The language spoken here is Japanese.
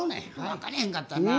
分からへんかったな。